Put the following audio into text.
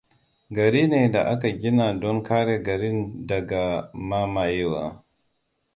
Gari ne da aka gina don kare garin daga mamayewa.